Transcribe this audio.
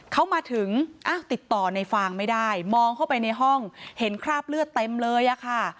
เขามาถึงอ้าวติดต่อในฟางไม่ได้มองเข้าไปในห้องเห็นคราบเลือดเต็มเลยอะค่ะ